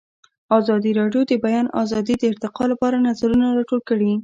ازادي راډیو د د بیان آزادي د ارتقا لپاره نظرونه راټول کړي.